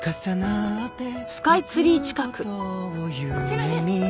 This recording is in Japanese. すいません！